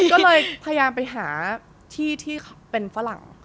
ก็เลยพยายามไปหาที่ที่เป็นฝรั่ง